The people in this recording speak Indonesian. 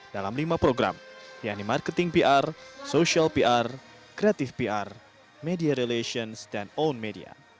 dalam lima program yaitu marketing pr social pr creative pr media relations dan owned media